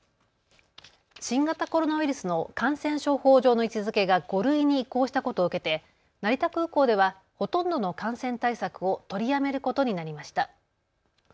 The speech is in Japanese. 新型コロナウイルスの感染症法上の位置づけが５類に移行したことを受けて成田空港ではほとんどの感染対策を取りやめることになりました。